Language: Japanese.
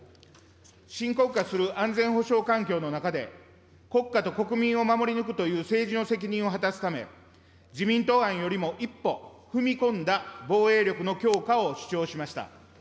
深刻化する安全保障環境の中で国家と国民を守り抜くという政治の責任を果たすため、自民党案よりも一歩踏み込んだ防衛力の強化を主張しました。